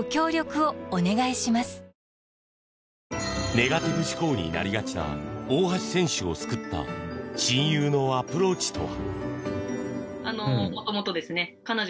ネガティブ思考になりがちな大橋選手を救った親友のアプローチとは。